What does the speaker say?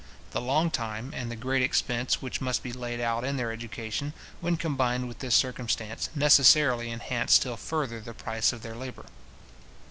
The long time and the great expense which must be laid out in their education, when combined with this circumstance, necessarily enhance still further the price of their labour.